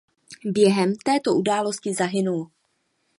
Během této události zahynul.